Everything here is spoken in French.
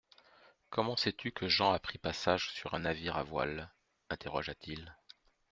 Comment sais-tu que Jean a pris passage sur un navire à voiles ? interrogea-t-il.